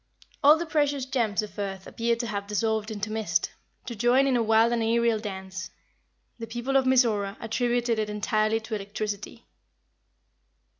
All the precious gems of earth appear to have dissolved into mist, to join in a wild and aerial dance. The people of Mizora attributed it entirely to electricity.